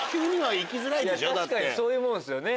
確かにそういうもんすよね